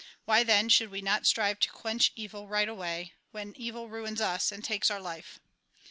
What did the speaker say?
Why, then, should we not strive to quench evil right away, when evil ruins us, and takes our life